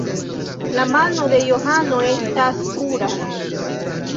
La mano de Johano estas pura.